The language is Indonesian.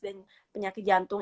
dan penyakit jantung